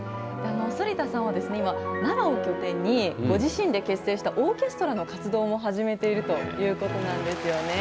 反田さんは今、奈良を拠点に、ご自身で結成したオーケストラの活動も始めているということなんですよね。